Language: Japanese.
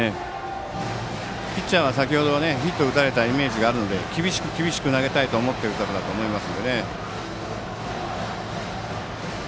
ピッチャーは先程、ヒットを打たれたイメージがあるので厳しく投げたいと思っているからだと思います。